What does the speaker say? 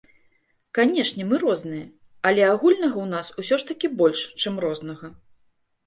Канешне, мы розныя, але агульнага ў нас усё ж такі больш, чым рознага.